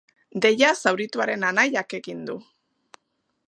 Deia zaurituaren anaiak egin du.